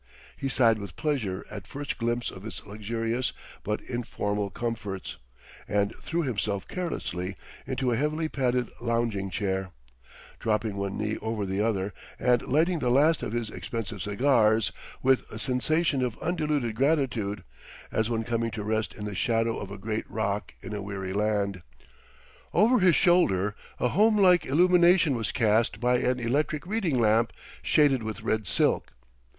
He sighed with pleasure at first glimpse of its luxurious but informal comforts, and threw himself carelessly into a heavily padded lounging chair, dropping one knee over the other and lighting the last of his expensive cigars, with a sensation of undiluted gratitude; as one coming to rest in the shadow of a great rock in a weary land. Over his shoulder a home like illumination was cast by an electric reading lamp shaded with red silk.